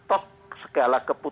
top segala kemampuan